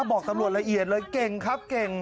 บอกตำรวจละเอียดเลยเก่งครับเก่ง